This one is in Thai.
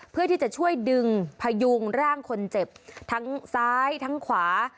เพื่อที่จะช่วยดึงพยุงร่างคนเจ็บทั้งซ้ายทั้งขวา